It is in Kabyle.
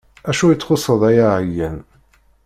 Acu i txuṣṣeḍ ay aɛeyan?